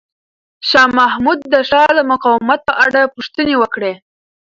شاه محمود د ښار د مقاومت په اړه پوښتنې وکړې.